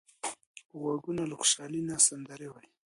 غوږونه له خوشحالۍ نه سندره وايي